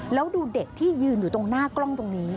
แล้วดูเด็กที่ยืนอยู่ตรงหน้ากล้องตรงนี้